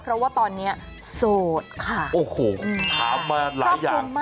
เพราะว่าตอนเนี้ยโสดค่ะโอ้โหถามมาหลายอย่างมาก